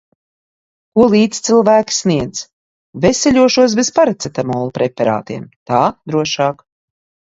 Ko līdzcilvēki sniedz. Veseļošos bez paraceptamola preparātiem – tā drošāk.